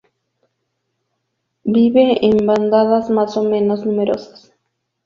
Vive en bandadas más o menos numerosas.